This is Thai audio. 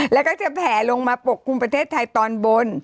แล้วก็จะแผลลงมาปกคลุมประเทศไทยตอนบน